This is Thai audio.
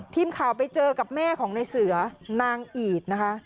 ทีมข่าวไปเจอกับแม่ของในเสือนางอีดนะคะ